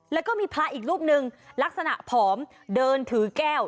แล้วก็มีพระอีกรูปหนึ่งลักษณะผอมเดินถือแก้ว